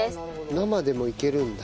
生でもいけるんだ。